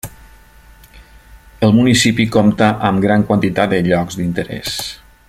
El municipi compta amb gran quantitat de llocs d'interès.